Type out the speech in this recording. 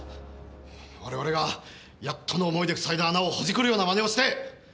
我々がやっとの思いでふさいだ穴をほじくるような真似をして！